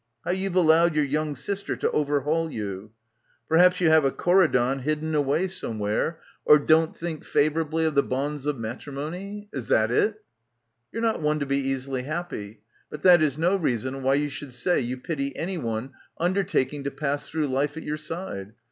How you've allowed your young sister to overhaul you. Perhaps you have a Corydon hidden away somewhere — or ^ 151 — PILGRIMAGE don't think favourably of the bonds of matri mony? Is that it? "You are not one to be easily happy. But that is no reason why you should say you pity anyone undertaking to pass through life at your side.